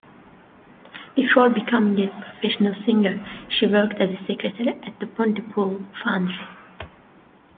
Before becoming a professional singer, she worked as a secretary at the Pontypool foundry.